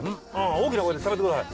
大きな声でしゃべってください。